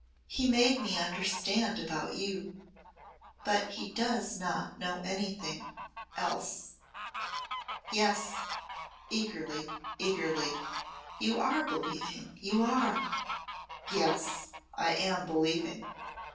He made me understand about you but he does not know anything else. Yes " eagerly, eagerly, "you are believing you are!" "Yes I am believing."